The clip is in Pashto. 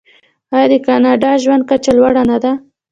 آیا د کاناډا ژوند کچه لوړه نه ده؟